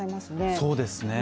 そうですね